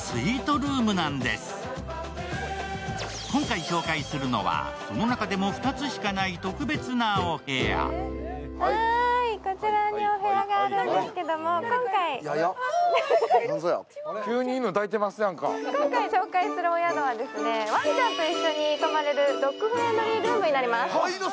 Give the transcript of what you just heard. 今回紹介するのはその中でも２つしかない特別なお部屋。